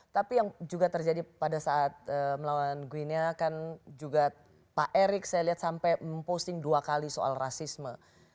tapi yang juga terjadi pada saat melawan gwinia kan juga pak erick saya lihat sampai memposting dua kali soal rasisme